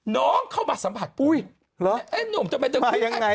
น้องเข้ามาสัมผัสนกิจวัตรใด